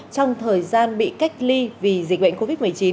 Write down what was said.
trong thời gian bị cách ly vì dịch bệnh covid một mươi chín